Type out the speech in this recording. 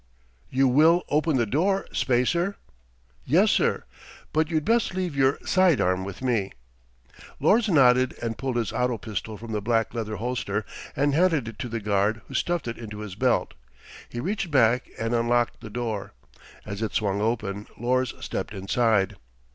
"You will open the door, spacer?" "Yes, sir, but you'd best leave your sidearm with me." Lors nodded and pulled his auto pistol from the black leather holster and handed it to the guard who stuffed it into his belt. He reached back and unlocked the door. As it swung open, Lors stepped inside.